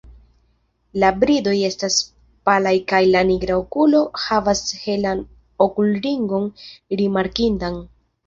La bridoj estas palaj kaj la nigra okulo havas helan okulringon rimarkindan.